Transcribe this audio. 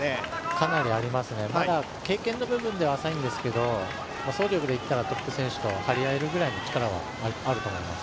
かなりありますね、経験の部分では浅いんですけど、走力でいったらトップ選手と張り合えるぐらいの力はあると思います。